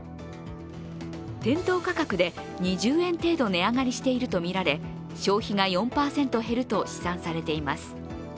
店頭価格で２０円程度値上がりしているとみられ消費が４％減ると試算されています